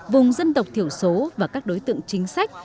vùng dân tộc thiểu số và các đối tượng chính sách